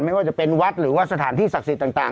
ไม่ว่าจะเป็นวัดหรือว่าสถานที่ศักดิ์สิทธิ์ต่าง